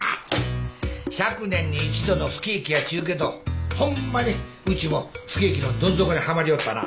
百年に一度の不景気やちゅうけどホンマにうちも不景気のどん底にはまりよったな。